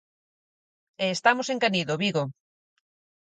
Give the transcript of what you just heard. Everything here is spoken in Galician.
E estamos en Canido, Vigo.